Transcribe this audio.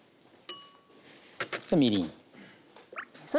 みりん。